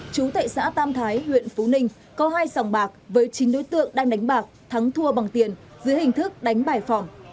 chú tại xã tam thái huyện phú ninh có hai sòng bạc với chín đối tượng đang đánh bạc thắng thua bằng tiền dưới hình thức đánh bài phòng